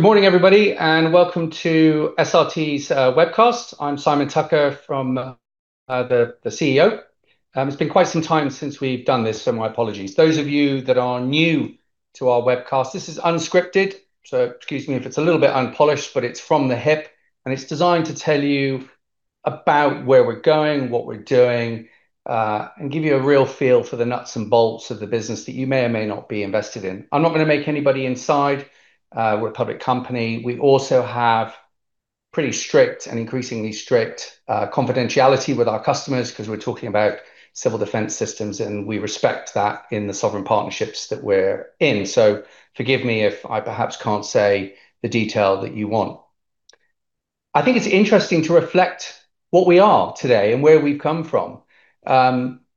Good morning, everybody. Welcome to SRT's webcast. I'm Simon Tucker, the CEO. It's been quite some time since we've done this, my apologies. Those of you that are new to our webcast, this is unscripted, so excuse me if it's a little bit unpolished, but it's from the hip and it's designed to tell you about where we're going, what we're doing, and give you a real feel for the nuts and bolts of the business that you may or may not be invested in. I'm not gonna make anybody inside. We're a public company. We also have pretty strict and increasingly strict confidentiality with our customers 'cause we're talking about civil defense systems, and we respect that in the sovereign partnerships that we're in. Forgive me if I perhaps can't say the detail that you want. I think it's interesting to reflect what we are today and where we've come from.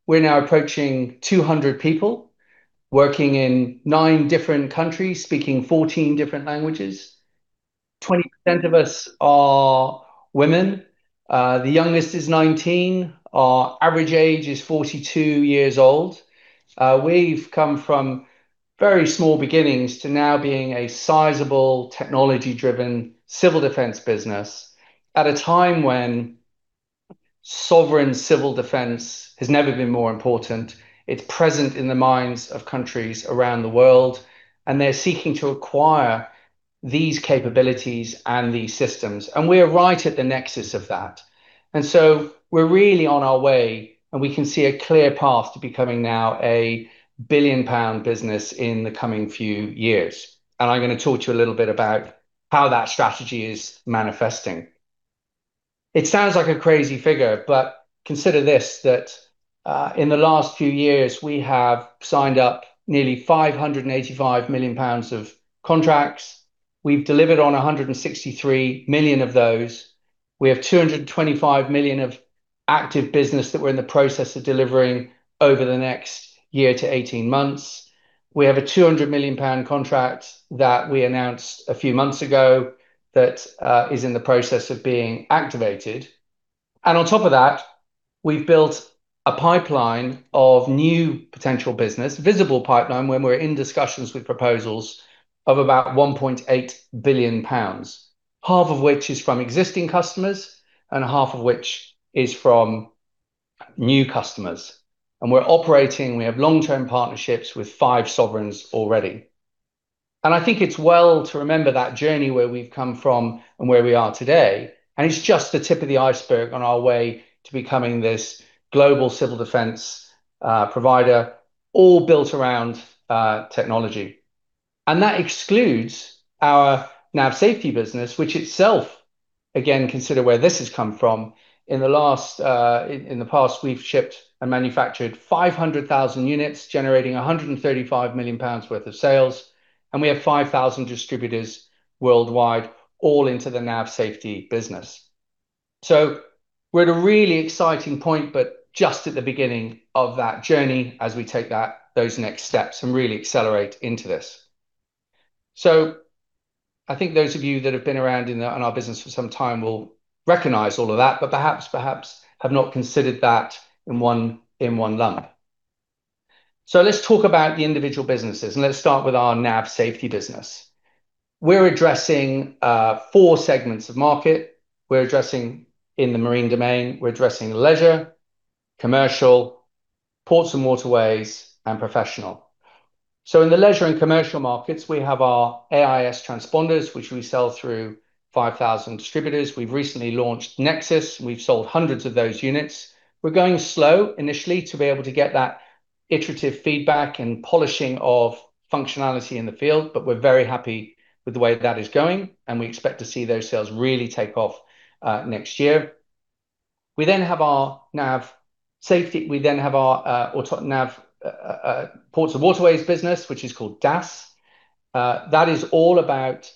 We're now approaching 200 people working in nine different countries, speaking 14 different languages. 20% of us are women. The youngest is 19. Our average age is 42 years old. We've come from very small beginnings to now being a sizable technology-driven civil defense business at a time when sovereign civil defense has never been more important. It's present in the minds of countries around the world, and they're seeking to acquire these capabilities and these systems, and we're right at the nexus of that. We're really on our way, and we can see a clear path to becoming now a billion-pound business in the coming few years. I'm gonna talk to you a little bit about how that strategy is manifesting. It sounds like a crazy figure. Consider this, that in the last few years, we have signed up nearly 585 million pounds of contracts. We've delivered on 163 million of those. We have 225 million of active business that we're in the process of delivering over the next year to 18 months. We have a 200 million pound contract that we announced a few months ago that is in the process of being activated. On top of that, we've built a pipeline of new potential business, visible pipeline, when we're in discussions with proposals of about 1.8 billion pounds, half of which is from existing customers and half of which is from new customers. We're operating, we have long-term partnerships with five sovereigns already. I think it's well to remember that journey where we've come from and where we are today, and it's just the tip of the iceberg on our way to becoming this global civil defense provider, all built around technology. That excludes our navigation safety business, which itself, again, consider where this has come from. In the past, we've shipped and manufactured 500,000 units, generating 135 million pounds worth of sales, and we have 5,000 distributors worldwide, all into the navigation safety business. We're at a really exciting point, but just at the beginning of that journey as we take those next steps and really accelerate into this. I think those of you that have been around in our business for some time will recognize all of that, but perhaps have not considered that in one lump. Let's talk about the individual businesses, and let's start with our navigation safety business. We're addressing four segments of market. We're addressing in the marine domain, we're addressing leisure, commercial, ports and waterways, and professional. In the leisure and commercial markets, we have our AIS transponders, which we sell through 5,000 distributors. We've recently launched NEXUS. We've sold hundreds of those units. We're going slow initially to be able to get that iterative feedback and polishing of functionality in the field, but we're very happy with the way that is going, and we expect to see those sales really take off next year. We have our navigation safety... We have our AtoN ports and waterways business, which is called DAS. That is all about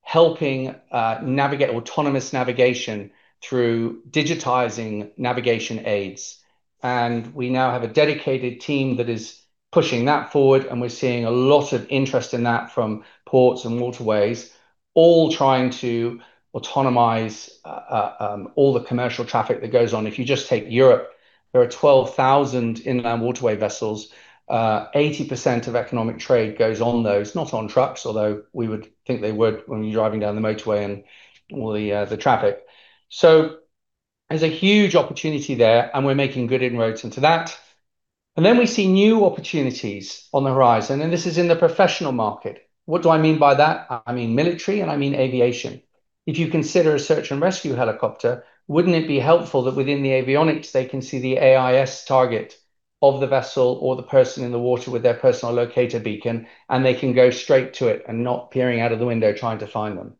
helping navigate autonomous navigation through digitizing navigation aids. We now have a dedicated team that is pushing that forward, and we're seeing a lot of interest in that from ports and waterways, all trying to autonomize all the commercial traffic that goes on. If you just take Europe, there are 12,000 inland waterway vessels. 80% of economic trade goes on those, not on trucks, although we would think they would when you're driving down the motorway and all the traffic. There's a huge opportunity there, and we're making good inroads into that. We see new opportunities on the horizon, and this is in the professional market. What do I mean by that? I mean military, and I mean aviation. If you consider a search and rescue helicopter, wouldn't it be helpful that within the avionics, they can see the AIS target of the vessel or the person in the water with their personal locator beacon, and they can go straight to it and not peering out of the window trying to find them?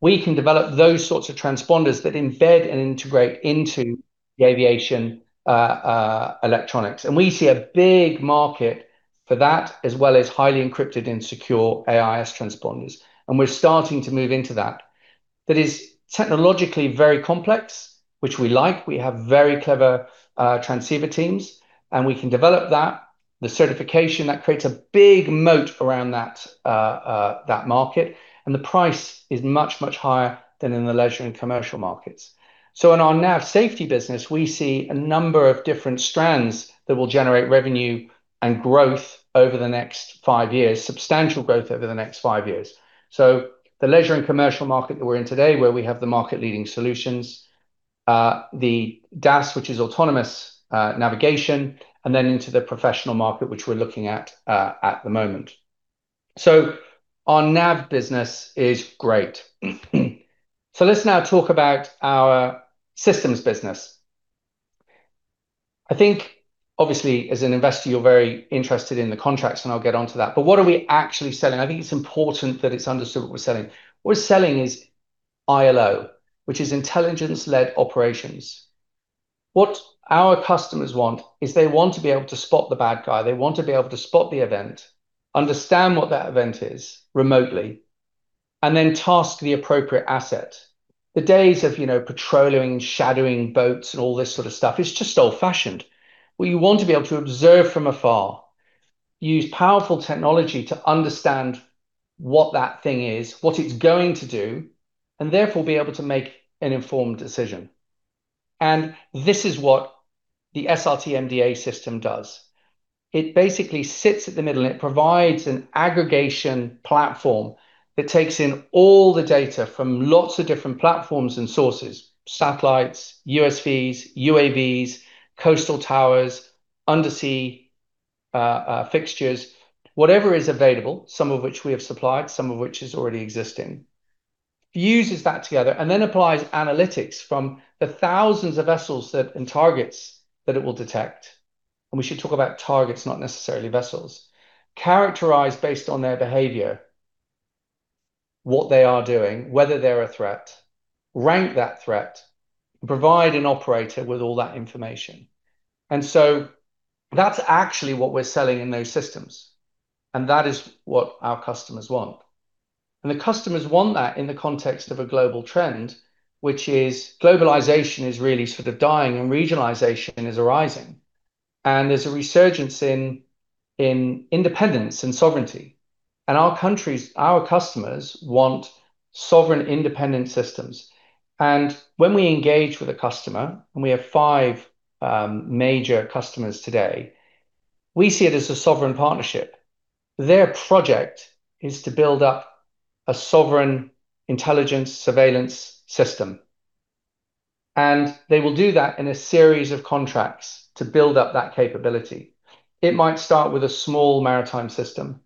We can develop those sorts of transponders that embed and integrate into the aviation electronics. We see a big market for that, as well as highly encrypted and secure AIS transponders. We're starting to move into that. That is technologically very complex, which we like. We have very clever transceiver teams, and we can develop that. The certification, that creates a big moat around that market, the price is much, much higher than in the leisure and commercial markets. In our navigation safety business, we see a number of different strands that will generate revenue and growth over the next five years, substantial growth over the next five years. The leisure and commercial market that we're in today, where we have the market-leading solutions: The DAS, which is autonomous navigation, and then into the professional market, which we're looking at at the moment. Our Nav business is great. Let's now talk about our systems business. I think obviously as an investor, you're very interested in the contracts, and I'll get onto that. What are we actually selling? I think it's important that it's understood what we're selling. What we're selling is ILO, which is intelligence-led operations. What our customers want is they want to be able to spot the bad guy. They want to be able to spot the event, understand what that event is remotely, and then task the appropriate asset. The days of, you know, patrolling, shadowing boats and all this sort of stuff is just old-fashioned. We want to be able to observe from afar, use powerful technology to understand what that thing is, what it's going to do, and therefore be able to make an informed decision. This is what the SRT-MDA system does. It basically sits at the middle, and it provides an aggregation platform that takes in all the data from lots of different platforms and sources, satellites, USVs, UAVs, coastal towers, undersea fixtures, whatever is available, some of which we have supplied, some of which is already existing. Fuses that together and then applies analytics from the thousands of vessels and targets that it will detect. We should talk about targets, not necessarily vessels. Characterize based on their behavior what they are doing, whether they're a threat, rank that threat, provide an operator with all that information. That's actually what we're selling in those systems, and that is what our customers want. The customers want that in the context of a global trend, which is globalization is really sort of dying and regionalization is arising. There's a resurgence in independence and sovereignty. Our countries, our customers want sovereign independent systems. When we engage with a customer, and we have five major customers today, we see it as a sovereign partnership. Their project is to build up a sovereign intelligence surveillance system, and they will do that in a series of contracts to build up that capability. It might start with a small maritime system,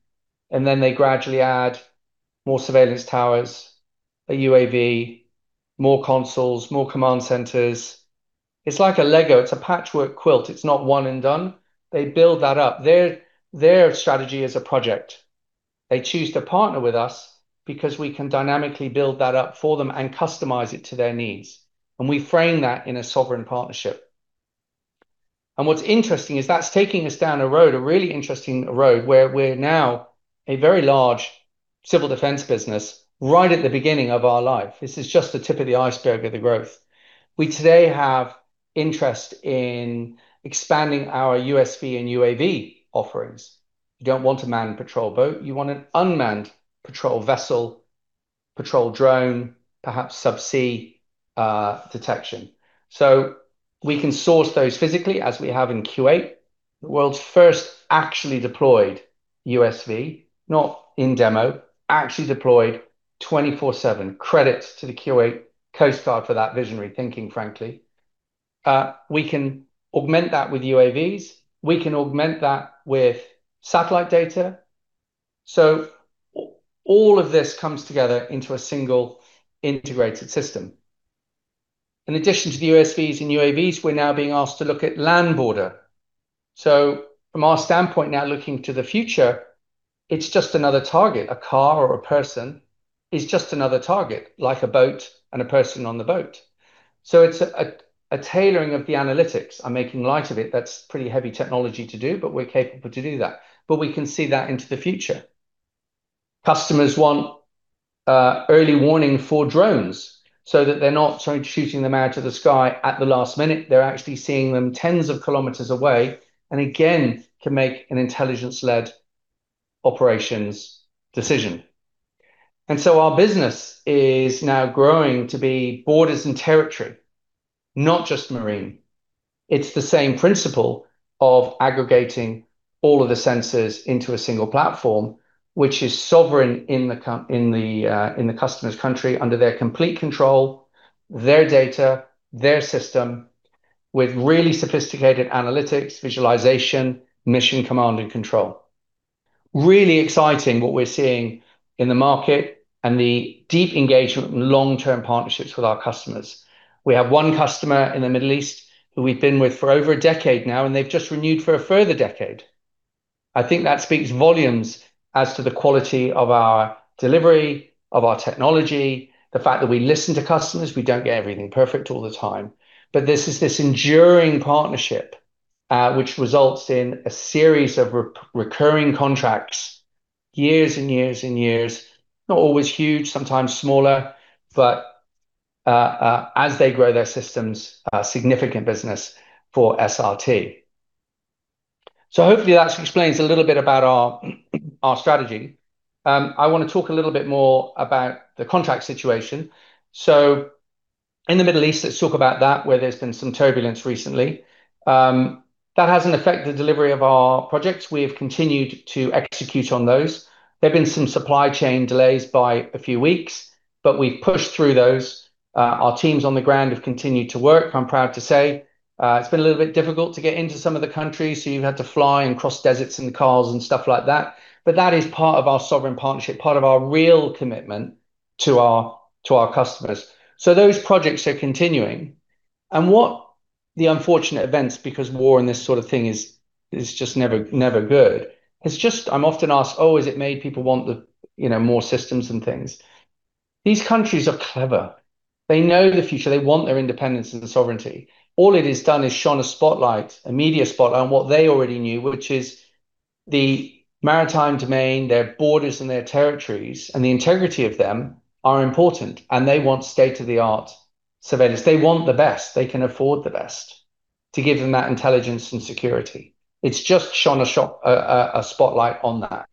and then they gradually add more surveillance towers, a UAV, more consoles, more command centers. It's like a Lego. It's a patchwork quilt. It's not one and done. They build that up. Their strategy is a project. They choose to partner with us because we can dynamically build that up for them and customize it to their needs, and we frame that in a sovereign partnership. What's interesting is that's taking us down a road, a really interesting road, where we're now a very large civil defense business right at the beginning of our life. This is just the tip of the iceberg of the growth. We today have interest in expanding our USV and UAV offerings. You don't want a manned patrol boat. You want an unmanned patrol vessel, patrol drone, perhaps subsea detection. We can source those physically as we have in Kuwait, the world's first actually deployed USV, not in demo, actually deployed 24/7. Credit to the Kuwait Coast Guard for that visionary thinking, frankly. We can augment that with UAVs. We can augment that with satellite data. All of this comes together into a single integrated system. In addition to the USVs and UAVs, we're now being asked to look at land border. From our standpoint now looking to the future, it's just another target. A car or a person is just another target, like a boat and a person on the boat. It's a tailoring of the analytics. I'm making light of it. That's pretty heavy technology to do, but we're capable to do that. We can see that into the future. Customers want early warning for drones so that they're not sort of shooting them out of the sky at the last minute. They're actually seeing them tens of kilometers away and again, can make an intelligence-led operations decision. Our business is now growing to be borders and territory, not just marine. It's the same principle of aggregating all of the sensors into a single platform, which is sovereign in the customer's country under their complete control, their data, their system, with really sophisticated analytics, visualization, mission, command, and control. Really exciting what we're seeing in the market and the deep engagement and long-term partnerships with our customers. We have one customer in the Middle East who we've been with for over a decade now, and they've just renewed for a further decade. I think that speaks volumes as to the quality of our delivery, of our technology, the fact that we listen to customers. We don't get everything perfect all the time. This is this enduring partnership, which results in a series of recurring contracts years and years and years. Not always huge, sometimes smaller, as they grow their systems, significant business for SRT. Hopefully, that explains a little bit about our strategy. I wanna talk a little bit more about the contract situation. In the Middle East, let's talk about that, where there's been some turbulence recently. That hasn't affected the delivery of our projects. We have continued to execute on those. There've been some supply chain delays by a few weeks, but we've pushed through those. Our teams on the ground have continued to work, I'm proud to say. It's been a little bit difficult to get into some of the countries, so you've had to fly and cross deserts in cars and stuff like that. That is part of our sovereign partnership, part of our real commitment to our, to our customers. Those projects are continuing. What the unfortunate events, because war and this sort of thing is just never good. It's just I'm often asked, "Oh, has it made people want the, you know, more systems and things?" These countries are clever. They know the future. They want their independence and sovereignty. All it has done is shone a spotlight, a media spotlight, on what they already knew, which is the maritime domain, their borders and their territories, and the integrity of them are important, and they want state-of-the-art surveillance. They want the best. They can afford the best to give them that intelligence and security. It's just shone a spotlight on that.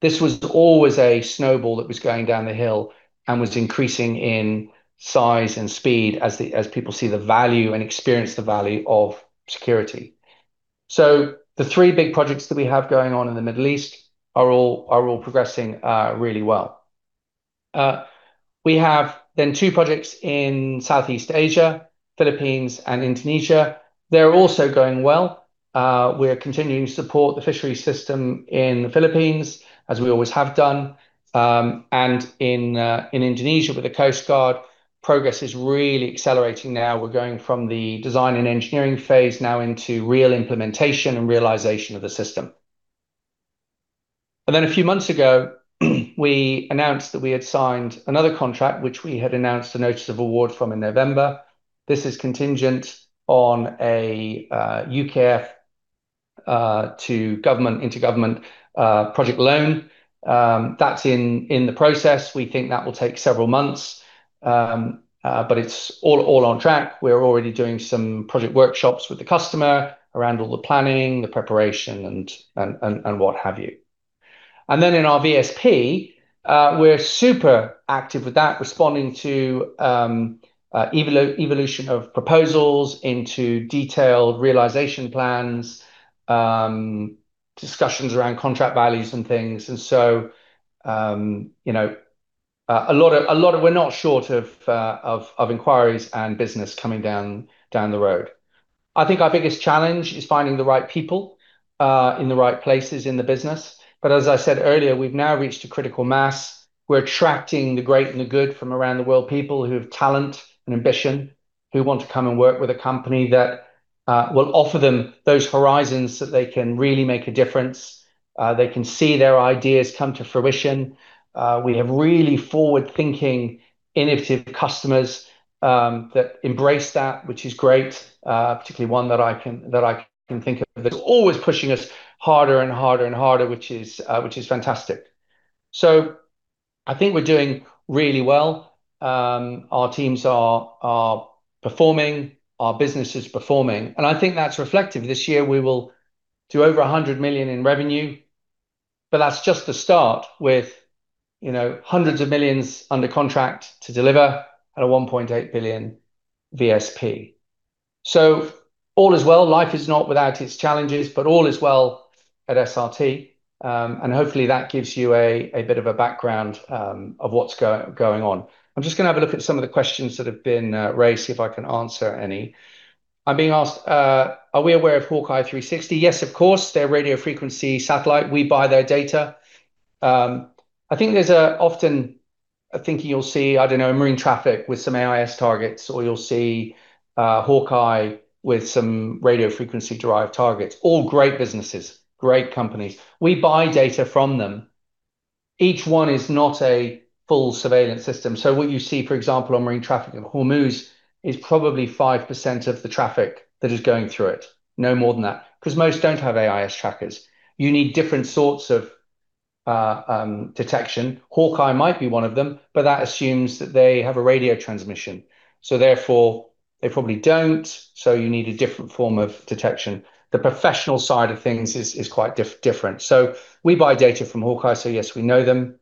This was always a snowball that was going down the hill and was increasing in size and speed as people see the value and experience the value of security. The three big projects that we have going on in the Middle East are all progressing really well. We have two projects in Southeast Asia, Philippines, and Indonesia. They're also going well. We're continuing to support the fishery system in the Philippines, as we always have done. In Indonesia with the Coast Guard, progress is really accelerating now. We're going from the design and engineering phase now into real implementation and realization of the system. A few months ago, we announced that we had signed another contract, which we had announced a notice of award from in November. This is contingent on a UKEF to government, inter-government, project loan. That's in the process. We think that will take several months. It's all on track. We're already doing some project workshops with the customer around all the planning, the preparation and what have you. In our VSP, we're super active with that, responding to evolution of proposals into detailed realization plans, discussions around contract values and things. You know, we're not short of inquiries and business coming down the road. I think our biggest challenge is finding the right people in the right places in the business. As I said earlier, we've now reached a critical mass. We're attracting the great and the good from around the world, people who have talent and ambition, who want to come and work with a company that will offer them those horizons that they can really make a difference. They can see their ideas come to fruition. We have really forward-thinking, innovative customers that embrace that, which is great. Particularly one that I can think of that's always pushing us harder and harder and harder, which is fantastic. I think we're doing really well. Our teams are performing, our business is performing, and I think that's reflective. This year we will do over 100 million in revenue. That's just the start with, you know, hundreds of millions under contract to deliver at a 1.8 billion VSP. All is well. Life is not without its challenges. All is well at SRT. Hopefully, that gives you a bit of a background of what's going on. I'm just going to have a look at some of the questions that have been raised, see if I can answer any. I'm being asked, are we aware of HawkEye 360? Yes, of course. They're radio frequency satellite. We buy their data. Often, I think you'll see, I don't know, MarineTraffic with some AIS targets, or you'll see HawkEye with some radio frequency-derived targets. All great businesses, great companies. We buy data from them. Each one is not a full surveillance system. What you see, for example, on MarineTraffic in Hormuz is probably 5% of the traffic that is going through it. No more than that, because most don't have AIS trackers. You need different sorts of detection. HawkEye might be one of them, but that assumes that they have a radio transmission, so therefore they probably don't, so you need a different form of detection. The professional side of things is quite different. We buy data from HawkEye, so yes, we know them.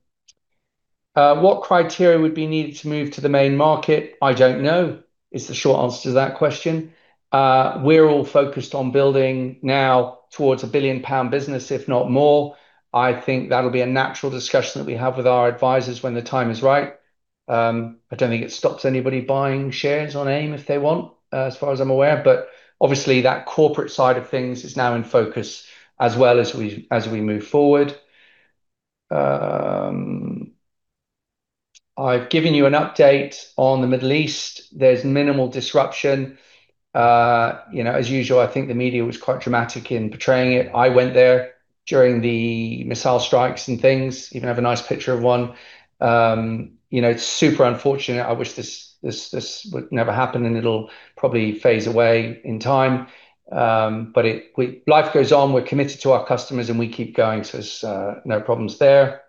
What criteria would be needed to move to the main market? I don't know is the short answer to that question. We're all focused on building now towards a billion-pound business, if not more. I think that'll be a natural discussion that we have with our advisors when the time is right. I don't think it stops anybody buying shares on AIM if they want, as far as I'm aware. Obviously that corporate side of things is now in focus as well as we, as we move forward. I've given you an update on the Middle East. There's minimal disruption. You know, as usual, I think the media was quite dramatic in portraying it. I went there during the missile strikes and things. Even have a nice picture of one. You know, it's super unfortunate. I wish this would never happen, and it'll probably phase away in time. Life goes on. We're committed to our customers, and we keep going. There's no problems there.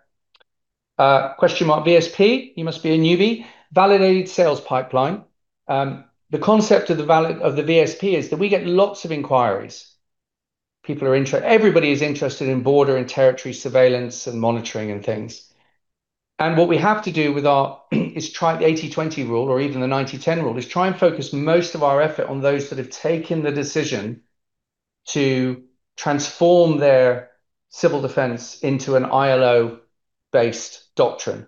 Question mark VSP? You must be a newbie. Validated sales pipeline. The concept of the VSP is that we get lots of inquiries. Everybody is interested in border and territory surveillance and monitoring and things. What we have to do with our is try the 80/20 rule, or even the 90/10 rule, is try and focus most of our effort on those that have taken the decision to transform their civil defense into an ILO-based doctrine.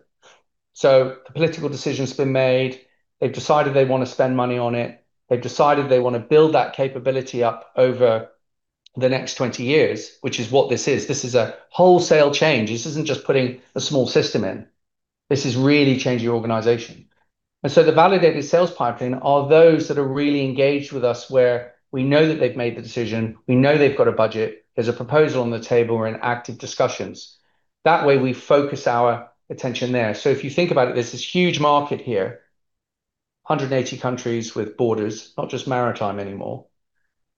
The political decision's been made. They've decided they wanna spend money on it. They've decided they wanna build that capability up over the next 20 years, which is what this is. This is a wholesale change. This isn't just putting a small system in. This is really changing your organization. The validated sales pipeline are those that are really engaged with us, where we know that they've made the decision, we know they've got a budget, there's a proposal on the table, we're in active discussions. That way we focus our attention there. If you think about it, there's this huge market here, 180 countries with borders, not just maritime anymore.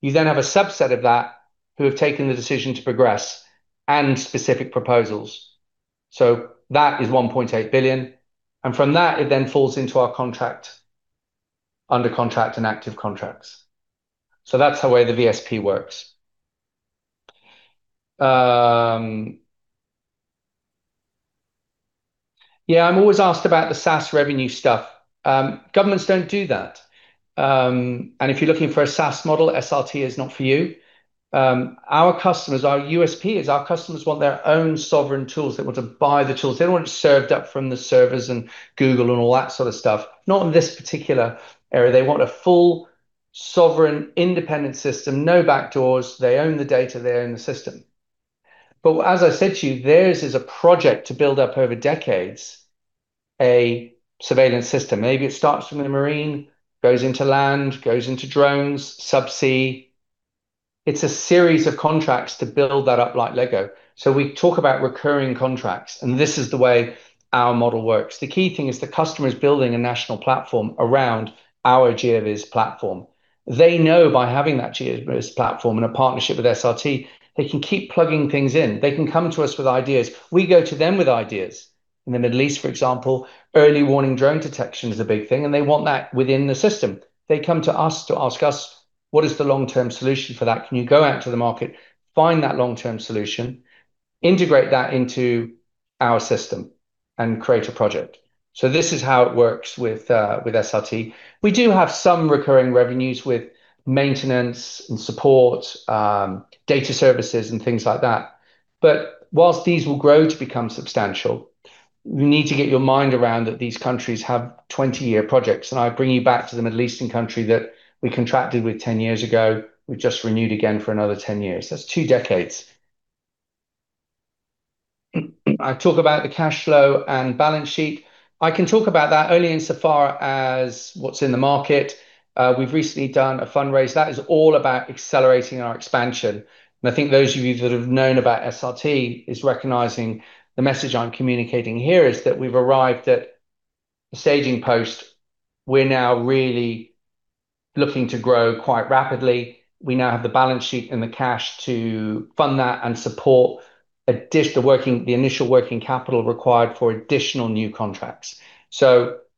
You then have a subset of that who have taken the decision to progress and specific proposals, so that is 1.8 billion. From that, it then falls into our contract, under contract and active contracts. That's the way the VSP works. Yeah, I'm always asked about the SaaS revenue stuff. Governments don't do that. If you're looking for a SaaS model, SRT is not for you. Our USP is our customers want their own sovereign tools. They want to buy the tools. They don't want it served up from the servers and Google and all that sort of stuff. Not in this particular area. They want a full, sovereign, independent system. No backdoors. They own the data, they own the system. As I said to you, theirs is a project to build up over decades, a surveillance system. Maybe it starts from the marine, goes into land, goes into drones, subsea. It's a series of contracts to build that up like Lego. We talk about recurring contracts, and this is the way our model works. The key thing is the customer is building a national platform around our GeoVS platform. They know by having that GeoVS platform and a partnership with SRT, they can keep plugging things in. They can come to us with ideas. We go to them with ideas. In the Middle East, for example, early warning drone detection is a big thing, and they want that within the system. They come to us to ask us, What is the long-term solution for that? Can you go out to the market, find that long-term solution, integrate that into our system and create a project? This is how it works with SRT. We do have some recurring revenues with maintenance and support, data services and things like that. Whilst these will grow to become substantial, you need to get your mind around that these countries have 20-year projects. I bring you back to the Middle Eastern country that we contracted with 10 years ago, we just renewed again for another 10 years. That's two decades. I talk about the cash flow and balance sheet. I can talk about that only insofar as what's in the market. We've recently done a fundraise. That is all about accelerating our expansion. I think those of you that have known about SRT is recognizing the message I'm communicating here is that we've arrived at the staging post. We're now really looking to grow quite rapidly. We now have the balance sheet and the cash to fund that and support the initial working capital required for additional new contracts.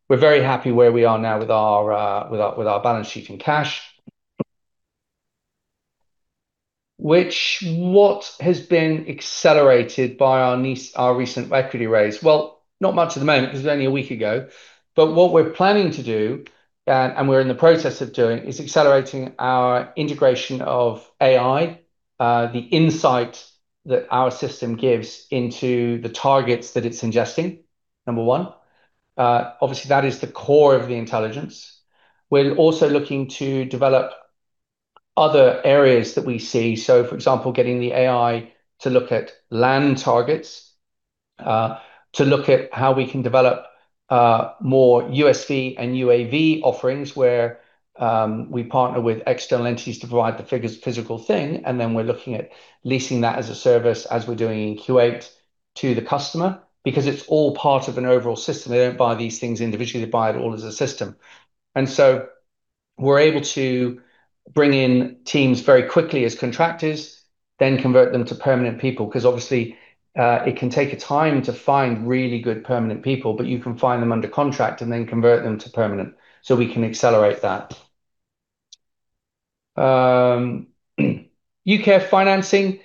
We're very happy where we are now with our balance sheet and cash. What has been accelerated by our recent equity raise? Not much at the moment 'cause it was only a week ago. What we're planning to do, and we're in the process of doing, is accelerating our integration of AI, the insight that our system gives into the targets that it's ingesting, number one. Obviously that is the core of the intelligence. We're also looking to develop other areas that we see. For example, getting the AI to look at land targets, to look at how we can develop more USV and UAV offerings where we partner with external entities to provide the physical thing, and then we're looking at leasing that as a service, as we're doing in Kuwait to the customer because it's all part of an overall system. They don't buy these things individually, they buy it all as a system. We're able to bring in teams very quickly as contractors, then convert them to permanent people. Obviously, it can take a time to find really good permanent people, but you can find them under contract and then convert them to permanent, so we can accelerate that. UKEF financing.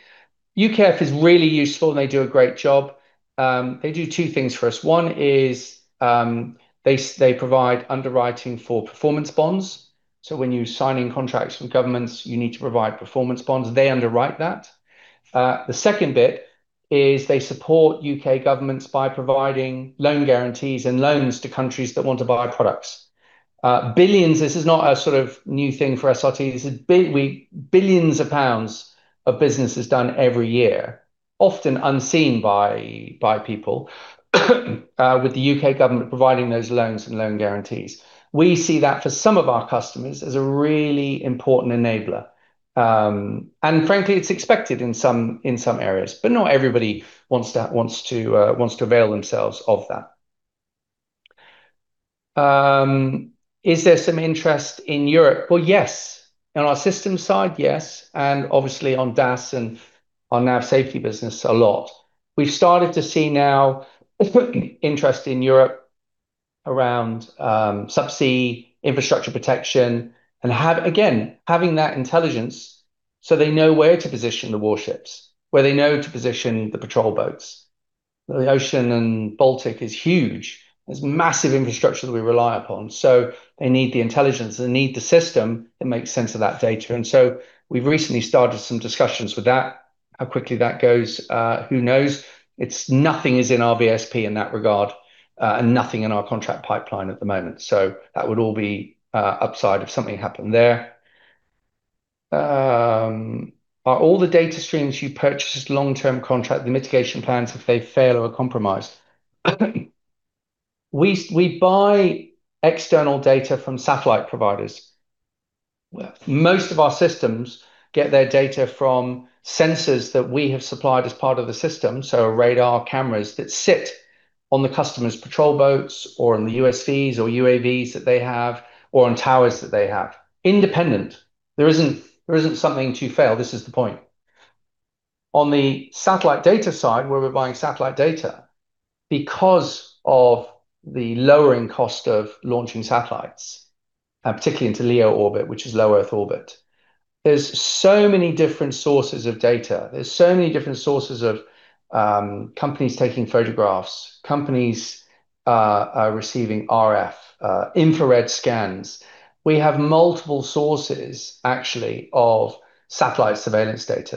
UKEF is really useful and they do a great job. They do two things for us. One is, they provide underwriting for performance bonds. When you're signing contracts with governments, you need to provide performance bonds. They underwrite that. The second bit is they support U.K. governments by providing loan guarantees and loans to countries that want to buy products. Billions, this is not a sort of new thing for SRT. This is billions of GBP of business is done every year, often unseen by people, with the U.K. government providing those loans and loan guarantees. We see that for some of our customers as a really important enabler. Frankly, it's expected in some areas, but not everybody wants to avail themselves of that. Is there some interest in Europe? Well, yes. On our system side, yes. Obviously, on DAS and on Nav Safety business a lot. We've started to see now a quick interest in Europe around subsea infrastructure protection again, having that intelligence so they know where to position the warships, where they know to position the patrol boats. The ocean in Baltic is huge. There's massive infrastructure that we rely upon. They need the intelligence, they need the system that makes sense of that data. We've recently started some discussions with that. How quickly that goes, who knows? Nothing is in our VSP in that regard, and nothing in our contract pipeline at the moment. That would all be upside if something happened there. Are all the data streams you purchase long-term contract, the mitigation plans if they fail or are compromised? We buy external data from satellite providers. Most of our systems get their data from sensors that we have supplied as part of the system. Radar cameras that sit on the customer's patrol boats or on the USVs or UAVs that they have, or on towers that they have. Independent. There isn't something to fail. This is the point. On the satellite data side, where we're buying satellite data, because of the lowering cost of launching satellites, particularly into LEO orbit, which is low earth orbit, there's so many different sources of data. There's so many different sources of companies taking photographs, companies receiving RF infrared scans. We have multiple sources actually of satellite surveillance data.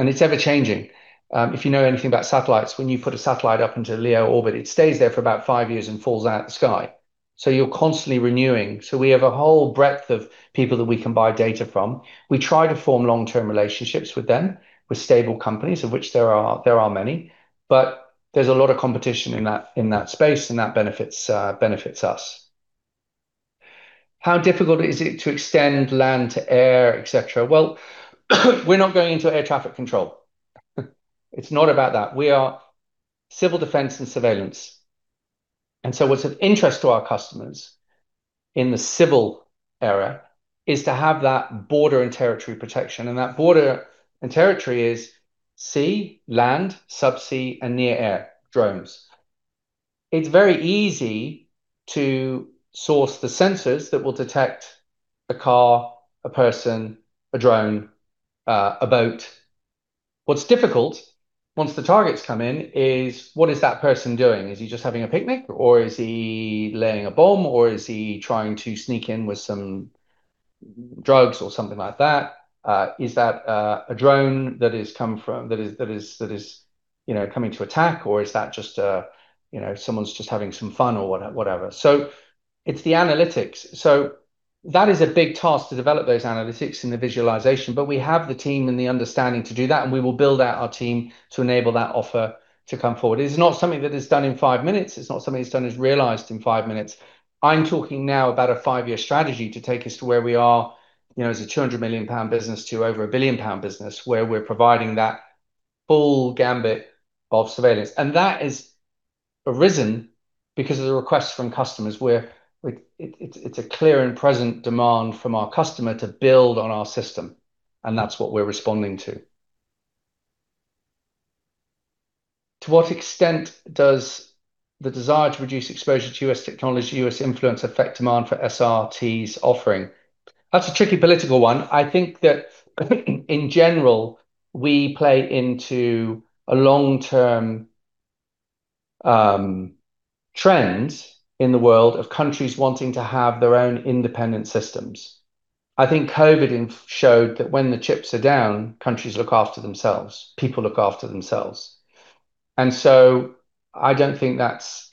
It's ever-changing. If you know anything about satellites, when you put a satellite up into LEO orbit, it stays there for about five years and falls out the sky, you're constantly renewing. We have a whole breadth of people that we can buy data from. We try to form long-term relationships with them, with stable companies, of which there are many, there's a lot of competition in that space, that benefits us. How difficult is it to extend land to air, etcetera? We're not going into air traffic control. It's not about that. We are civil defense and surveillance. What's of interest to our customers in the civil era is to have that border and territory protection, and that border and territory is sea, land, subsea, and near air, drones. It's very easy to source the sensors that will detect a car, a person, a drone, a boat. What's difficult once the targets come in is what is that person doing? Is he just having a picnic or is he laying a bomb or is he trying to sneak in with some drugs or something like that? Is that a drone that has come that is, you know, coming to attack or is that just, you know, someone's just having some fun or whatever. It's the analytics. That is a big task to develop those analytics and the visualization, but we have the team and the understanding to do that, and we will build out our team to enable that offer to come forward. It's not something that is done in five minutes. It's not something that's done, is realized in five minutes. I'm talking now about a five-year strategy to take us to where we are, you know, as a 200 million pound business to over 1 billion pound business where we're providing that full gamut of surveillance. That has arisen because of the requests from customers where it's a clear and present demand from our customer to build on our system, and that's what we're responding to. To what extent does the desire to reduce exposure to U.S. technology, U.S. influence affect demand for SRT's offering? That's a tricky political one. I think that in general, we play into a long-term trend in the world of countries wanting to have their own independent systems. I think COVID showed that when the chips are down, countries look after themselves, people look after themselves. I don't think that's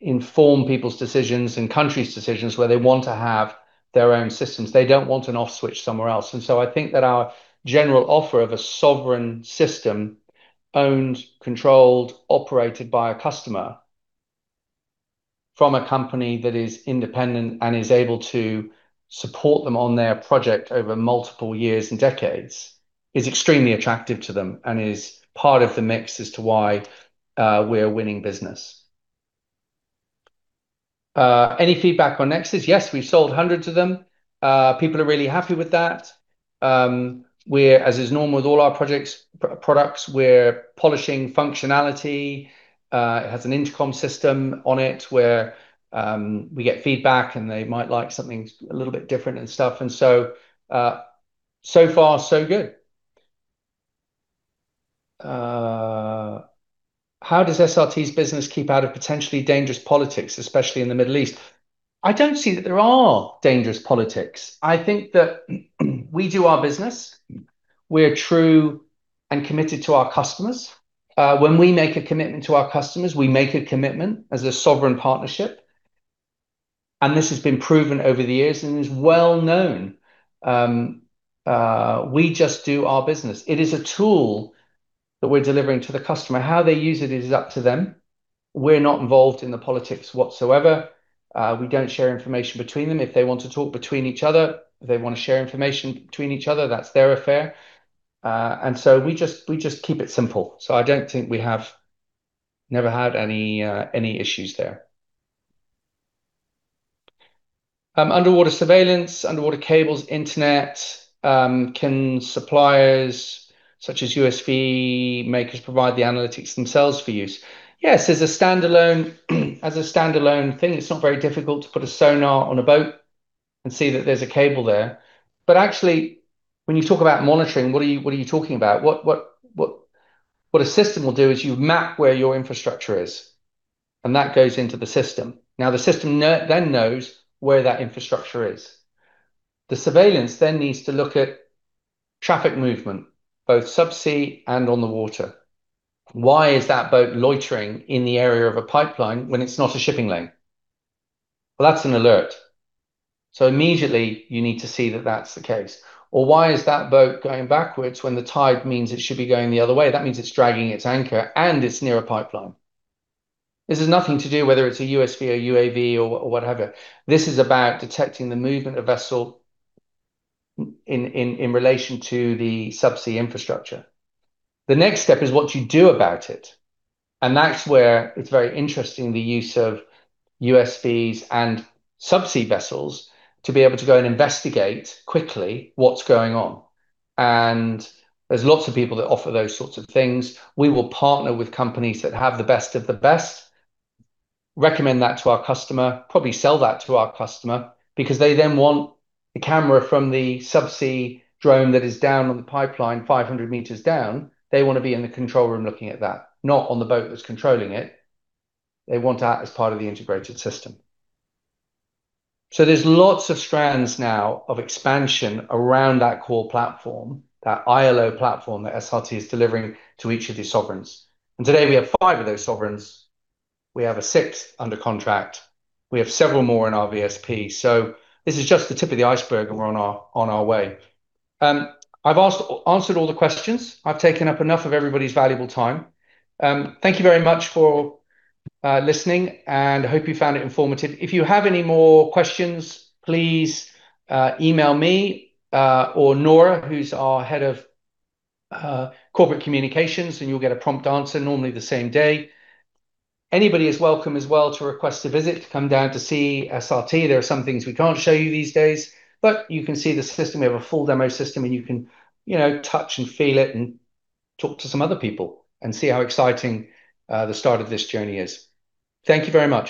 informed people's decisions and countries' decisions where they want to have their own systems. They don't want an off switch somewhere else. I think that our general offer of a sovereign system owned, controlled, operated by a customer from a company that is independent and is able to support them on their project over multiple years and decades is extremely attractive to them and is part of the mix as to why we're winning business. Any feedback on NEXUS? Yes, we've sold hundreds of them. People are really happy with that. We're, as is normal with all our projects, products, we're polishing functionality. It has an intercom system on it where we get feedback, and they might like something a little bit different and stuff. So far so good. How does SRT's business keep out of potentially dangerous politics, especially in the Middle East? I don't see that there are dangerous politics. I think that we do our business. We're true and committed to our customers. When we make a commitment to our customers, we make a commitment as a sovereign partnership, and this has been proven over the years and is well known. We just do our business. It is a tool that we're delivering to the customer. How they use it is up to them. We're not involved in the politics whatsoever. We don't share information between them. If they want to talk between each other, if they wanna share information between each other, that's their affair. We just keep it simple. I don't think we have never had any issues there. Underwater surveillance, underwater cables, internet, can suppliers such as USV makers provide the analytics themselves for use? Yes. As a standalone thing, it's not very difficult to put a sonar on a boat and see that there's a cable there. Actually, when you talk about monitoring, what are you talking about? What a system will do is you map where your infrastructure is, that goes into the system. The system then knows where that infrastructure is. The surveillance then needs to look at traffic movement, both subsea and on the water. Why is that boat loitering in the area of a pipeline when it's not a shipping lane? Well, that's an alert. Immediately, you need to see that that's the case. Why is that boat going backwards when the tide means it should be going the other way? That means it's dragging its anchor and it's near a pipeline. This is nothing to do whether it's a USV or UAV or whatever. This is about detecting the movement of vessel in relation to the subsea infrastructure. The next step is what you do about it, and that's where it's very interesting the use of USVs and subsea vessels to be able to go and investigate quickly what's going on. There's lots of people that offer those sorts of things. We will partner with companies that have the best of the best, recommend that to our customer, probably sell that to our customer because they then want the camera from the subsea drone that is down on the pipeline 500 m down. They wanna be in the control room looking at that, not on the boat that's controlling it. They want that as part of the integrated system. There's lots of strands now of expansion around that core platform, that ILO platform that SRT is delivering to each of these sovereigns. Today we have five of those sovereigns. We have six under contract. We have several more in our VSP. This is just the tip of the iceberg and we're on our way. I've answered all the questions. I've taken up enough of everybody's valuable time. Thank you very much for listening, and hope you found it informative. If you have any more questions, please email me or Nora, who's our head of corporate communications, and you'll get a prompt answer normally the same day. Anybody is welcome as well to request a visit to come down to see SRT. There are some things we can't show you these days, but you can see the system. We have a full demo system and you can, you know, touch and feel it and talk to some other people and see how exciting the start of this journey is. Thank you very much.